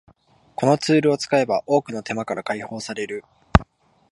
このツールを使えば多くの手間から解放される